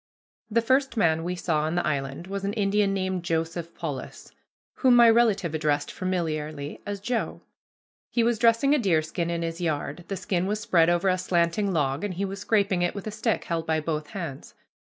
The first man we saw on the island was an Indian named Joseph Polis, whom my relative addressed familiarly as "Joe." He was dressing a deerskin in his yard. The skin was spread over a slanting log, and he was scraping it with a stick held by both hands.